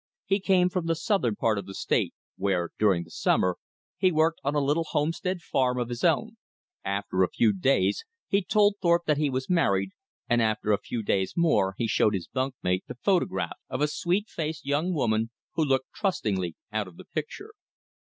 He came from the southern part of the State, where, during the summer, he worked on a little homestead farm of his own. After a few days he told Thorpe that he was married, and after a few days more he showed his bunk mate the photograph of a sweet faced young woman who looked trustingly out of the picture.